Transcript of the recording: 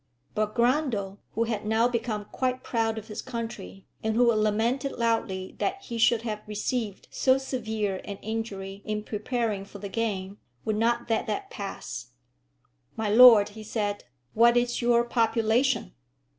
But Grundle, who had now become quite proud of his country, and who lamented loudly that he should have received so severe an injury in preparing for the game, would not let this pass. "My lord," he said, "what is your population?"